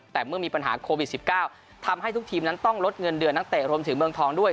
แต่เมื่อมีปัญหาโควิด๑๙ทำให้ทุกทีมนั้นต้องลดเงินเดือนนักเตะรวมถึงเมืองทองด้วย